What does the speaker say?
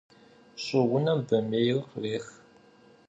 Щӏыунэм бамейр кърех.